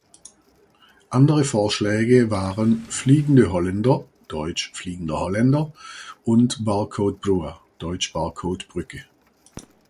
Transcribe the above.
Andere Vorschläge waren „Flygende hollender“ (deutsch "Fliegender Holländer") und „Barcodebrua“ (deutsch "Barcodebrücke").